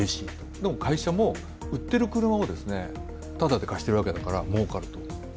でも会社も売ってる車をただで貸してるわけだからもうかると。